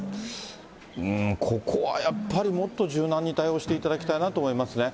ここはやっぱり、もっと柔軟に対応していただきたいなと思いますね。